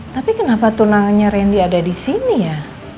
tapi kenapa tunanya randy ada di sini ya